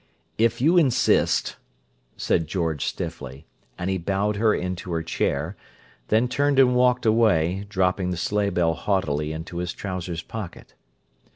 "If you insist!" said George stiffly. And he bowed her into her chair; then turned and walked away, dropping the sleighbell haughtily into his trousers' pocket.